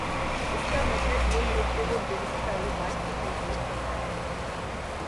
اس کا مطلب یہ ہے کہ وہ جنسی تعلقات کی تہذیب کرتا ہے۔